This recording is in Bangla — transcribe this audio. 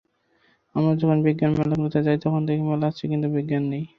আমরা যখন বিজ্ঞান মেলাগুলোতে যাই তখন দেখি মেলা আছে কিন্তু বিজ্ঞান নেই।